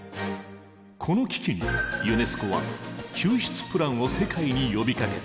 この危機にユネスコは救出プランを世界に呼びかけた。